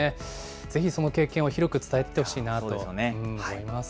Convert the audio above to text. ぜひその経験を広く伝えてほしいと思います。